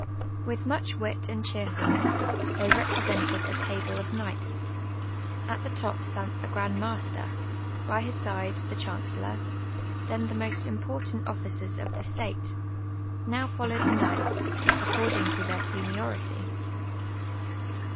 ^Vith much wit and checrfubiess they represented a table of kni«;ht8. At the top wit the f^"and master, by his side the chancellor, then the most im])ortant officers of the state ; now followed the knights, according to their seniority.